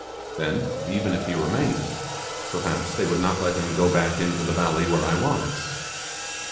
Then, even if he remained, perhaps they would not let him go back into the valley where I was.